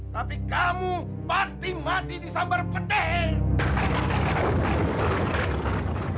tapi kamu pasti mati di sambar petik